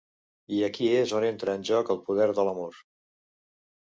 I aquí és on entra en joc el poder de l'amor.